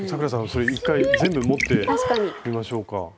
それ一回全部持ってみましょうか。